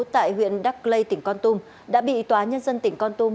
tại huyện đắc lây tỉnh con tum đã bị tòa nhân dân tỉnh con tum